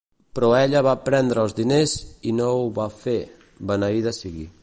Però ella va prendre els diners i no ho va fer, beneïda sigui.